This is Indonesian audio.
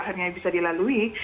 hanya bisa dilalui